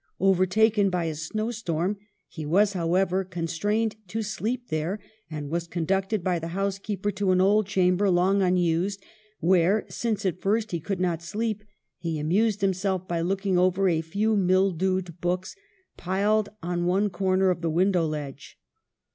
Overtaken by a snow storm, he was, however, constrained to sleep there, and was conducted by the housekeeper to an old chamber, long unused, where (since at first he could not sleep) he amused himself by looking over a few mildewed books piled on one corner of the window ledge.